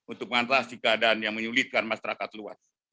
untuk mengatasi keadaan yang menyulitkan masyarakat luas